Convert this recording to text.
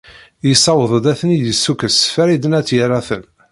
Yessaweḍ ad ten-id-yessukkes Farid n At Yiraten.